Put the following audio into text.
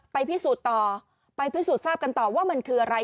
พิสูจน์ต่อไปพิสูจนทราบกันต่อว่ามันคืออะไร